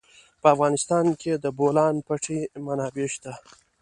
په افغانستان کې د د بولان پټي منابع شته.